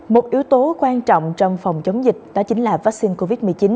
một yếu tố quan trọng trong phòng chống dịch đó chính là vaccine covid một mươi chín